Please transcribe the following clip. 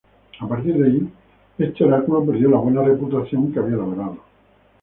A partir de allí, este oráculo perdió la buena reputación que había logrado.